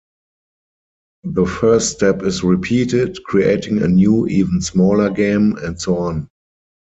The first step is repeated, creating a new even smaller game, and so on.